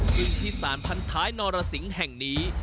ซึ่งที่สารพันท้ายนรสิงห์แห่งนี้